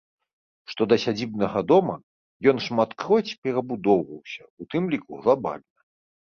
Што да сядзібнага дома, ён шматкроць перабудоўваўся, у тым ліку глабальна.